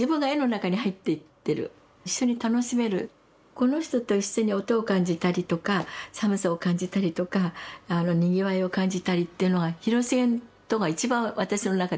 この人と一緒に音を感じたりとか寒さを感じたりとかにぎわいを感じたりっていうのが広重とが一番私の中では多いんです。